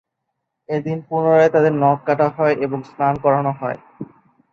এদিন পুনরায় তাদের নখ কাটা হয় এবং স্নান করানো হয়।